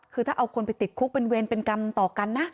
คือถ้าเอาคนไปติดคุกเป็นเวรเป็นกรรมต่อกันนะ